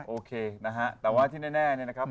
โอเคนะฮะแต่ว่าที่แน่เนี่ยนะครับ